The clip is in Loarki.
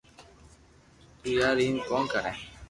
تو يار ايم ڪون ڪري